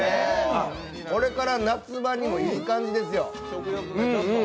これから夏場にもいい感じですよ。